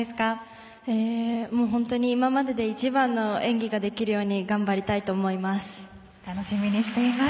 本当に今までで一番の演技ができるように頑張りたいと思います。